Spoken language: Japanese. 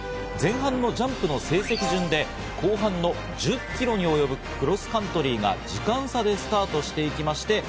前半のジャンプの成績順で後半の１０キロに及ぶクロスカントリーが時間差でスタートしていきました。